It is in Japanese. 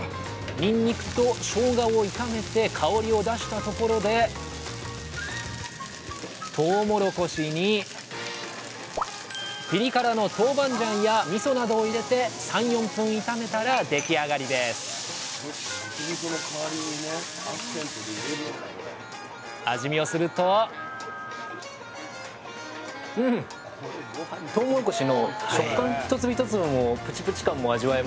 にんにくとしょうがを炒めて香りを出したところでとうもろこしにピリ辛のトウバンジャンやみそなどを入れて３４分炒めたら出来上がりです味見をするとみその味もありますし。